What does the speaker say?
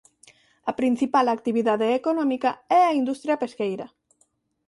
A principal actividade económica é a industria pesqueira.